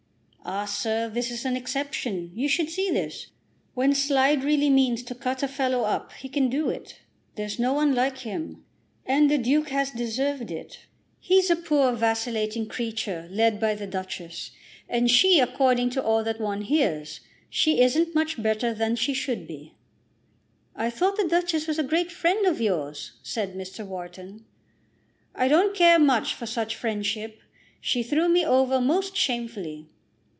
"Ah, sir; this is an exception. You should see this. When Slide really means to cut a fellow up, he can do it. There's no one like him. And the Duke has deserved it. He's a poor, vacillating creature, led by the Duchess; and she, according to all that one hears, she isn't much better than she should be." "I thought the Duchess was a great friend of yours," said Mr. Wharton. "I don't care much for such friendship. She threw me over most shamefully."